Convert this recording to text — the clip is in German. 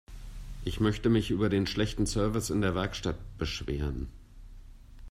Ich möchte mich über den schlechten Service in der Werkstatt beschweren.